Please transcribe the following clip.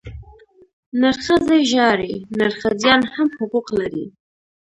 نرښځی ژاړي، نرښځيان هم حقوق لري.